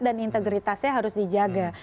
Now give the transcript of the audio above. dan integritasnya harus dijaga